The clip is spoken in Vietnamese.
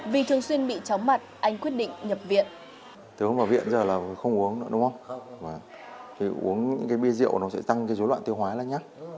vì thường xuyên bị chóng mặt anh quyết định nhập viện